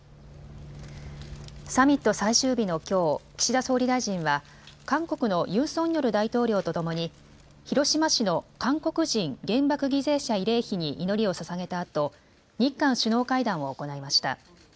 サミット最終日のきょう、岸田総理大臣は、韓国のユン・ソンニョル大統領と共に、広島市の韓国人原爆犠牲者慰霊碑に祈りをささげたあと、日韓首脳会談を行いました。